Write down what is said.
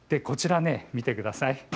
こちら見てください。